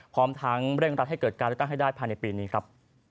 พร้อมทั้งเร่งรัดให้เกิดการเลือกตั้งให้ได้ภายในปีนี้ครับ